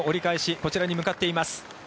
こちらに向かっています。